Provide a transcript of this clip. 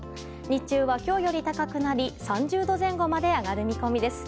日中は、今日より高くなり３０度前後まで上がる見込みです。